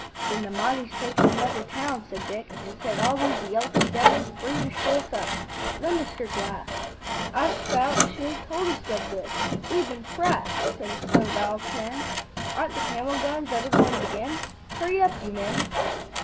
"Then the Mahdi's taken another town," said Dick, "and set all these yelping devils free to show us up. Lend us your glass." "Our scouts should have told us of this. We've been trapped," said a subaltern. "Aren't the camel guns ever going to begin? Hurry up, you men!"